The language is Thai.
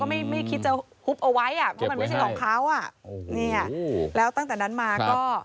ไม่ไม่คิดจะหุบเอาไว้อ่ะเพราะมันไม่ใช่ของเขาอ่ะเนี่ยแล้วตั้งแต่นั้นมาก็